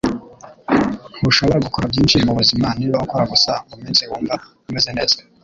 Ntushobora gukora byinshi mubuzima niba ukora gusa muminsi wumva umeze neza.”